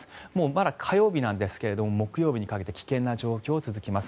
まだ火曜日なんですが木曜日にかけて危険な状況が続きます。